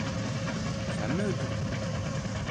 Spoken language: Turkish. Sen mi öldürdün?